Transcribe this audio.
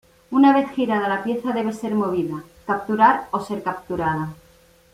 Un vez girada la pieza debe ser movida, capturar o ser capturada.